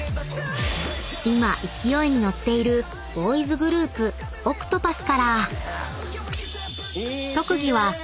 ［今勢いに乗っているボーイズグループＯＣＴＰＡＴＨから］